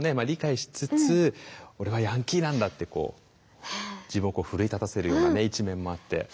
理解しつつ俺はヤンキーなんだってこう自分を奮い立たせるような一面もあって。